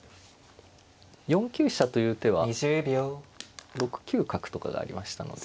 ４九飛車という手は６九角とかがありましたので。